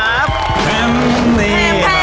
แพม